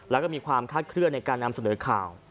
แล้วก็มีความคาดเคลื่อนในการนำเสนอข่าว